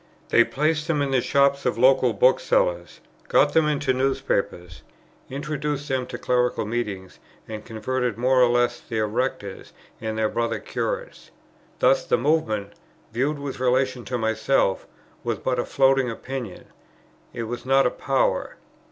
They placed them in the shops of local booksellers, got them into newspapers, introduced them to clerical meetings, and converted more or less their Rectors and their brother curates. Thus the Movement, viewed with relation to myself, was but a floating opinion; it was not a power.